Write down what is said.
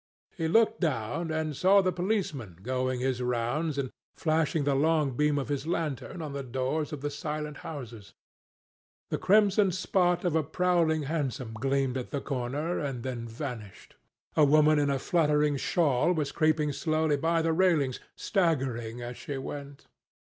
He looked down and saw the policeman going his rounds and flashing the long beam of his lantern on the doors of the silent houses. The crimson spot of a prowling hansom gleamed at the corner and then vanished. A woman in a fluttering shawl was creeping slowly by the railings, staggering as she went.